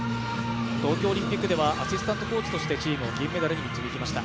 東京オリンピックではアシスタントコーチとしてチームを銀メダルに導きました。